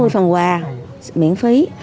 sáu mươi phần quà miễn phí